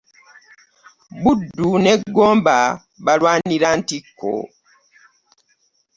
Buddu ne Gomba balwanira ntikko.